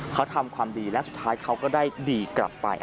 เขาทำความดีและสุดท้ายเขาก็ได้ดีกลับไป